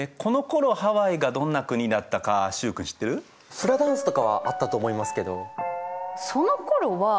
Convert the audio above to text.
フラダンスとかはあったと思いますけど。